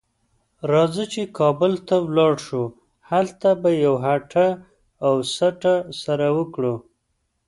راځه چې کابل ته ولاړ شو؛ هلته به یوه هټه او سټه سره وکړو.